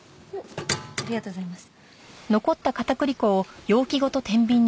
ありがとうございます。